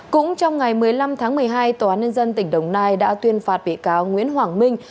cũng trong ngày một mươi năm tháng một mươi hai tòa án nhân dân tỉnh đồng nai đã tuyên phạt bị cáo nguyễn hoàng minh